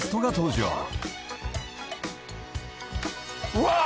うわっ！